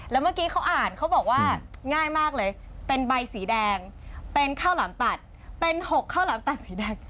แล้วเมื่อกี้เขาอ่านเขาบอกว่าง่ายมากเลยเป็นใบสีแดงเป็นข้าวหลามตัดเป็น๖ข้าวหลามตัดสีแดง